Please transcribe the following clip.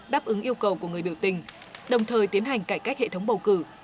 đáp ứng yêu cầu của người biểu tình đồng thời tiến hành cải cách hệ thống bầu cử